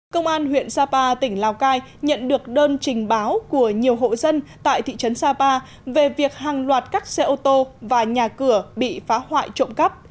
công an huyện sapa tỉnh lào cai nhận được đơn trình báo của nhiều hộ dân tại thị trấn sapa về việc hàng loạt các xe ô tô và nhà cửa bị phá hoại trộm cắp